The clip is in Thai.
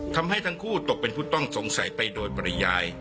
ทำให้ทั้งคู่ตกเป็นผู้ต้องสงสัยไปโดยปริยาย